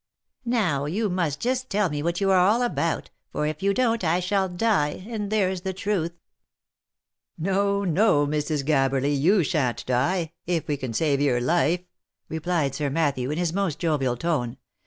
" Now you must just tell me what you are all about, for if you don't I shall die, and there's the truth." " No, no, Mrs. Gabberly, you shan't die, if we can save your life," replied Sir Matthew, in his most jovial tone.